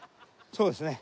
そうですね。